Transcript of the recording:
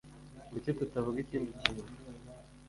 Kuki tutavuga ikindi kintu?